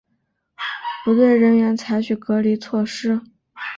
不对人员采取隔离措施